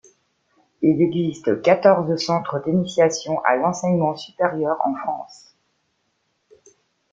Il existe quatorze centres d'initiation à l'enseignement supérieur en France.